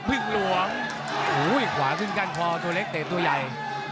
อุ้ยขวาขึ้นกันพอตัวเล็กเตะตัวใหญ่